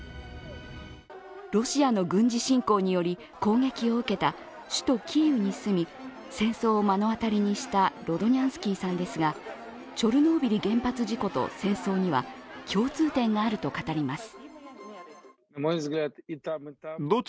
ロシアの軍事侵攻により攻撃を受けた首都キーウに住み戦争を目の当たりにしたロドニャンスキーさんですが、チョルノービリ原発事故と戦争には共通点があると語ります。